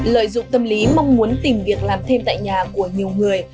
lợi dụng tâm lý mong muốn tìm việc làm thêm tại nhà của nhiều người